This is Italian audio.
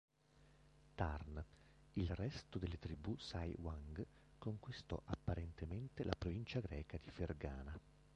Tarn, "il resto delle tribù Sai-Wang conquistò apparentemente la provincia greca di Fergana.